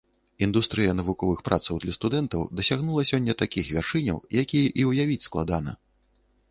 Індустрыя навуковых працаў для студэнтаў дасягнула сёння такіх вяршыняў, якія і ўявіць складана.